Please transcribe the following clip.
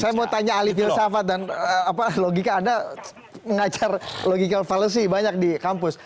saya mau tanya ahli filsafat dan logika anda mengacar logika falusi banyak di kampus